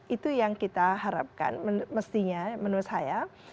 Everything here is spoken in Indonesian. itu yang kita harapkan mestinya menurut saya